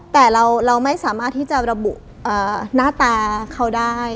แต่เราไม่สามารถที่จะระบุหน้าตาเขาได้